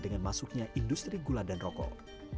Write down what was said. dengan masuknya industri gula dan rokok